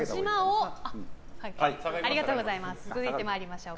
続いて参りましょう。